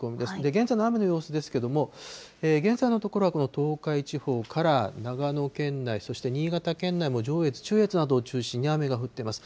現在の雨の様子ですけども、現在のところはこの東海地方から長野県内、そして新潟県内も上越、中越などを中心に雨が降っています。